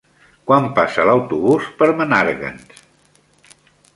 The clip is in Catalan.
Quan passa l'autobús per Menàrguens?